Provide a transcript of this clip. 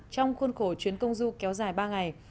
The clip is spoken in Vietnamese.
trong khuôn khổ chuyến công du kéo dài ba ngày